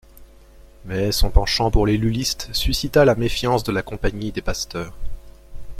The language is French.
Mais son penchant pour les Lullistes suscita la méfiance de la Compagnie des pasteurs.